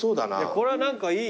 これは何かいい。